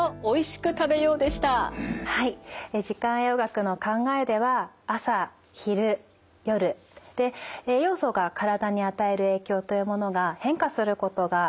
時間栄養学の考えでは朝昼夜で栄養素が体に与える影響というものが変化することが分かっております。